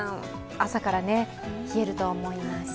朝から冷えると思います。